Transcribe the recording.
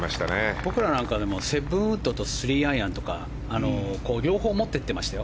僕らなんかでも７ウッドとか３アイアンとか両方持っていってましたよ。